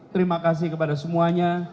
terima kasih kepada semuanya